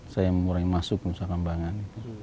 saya mengurangi masuk ke nusa kampangan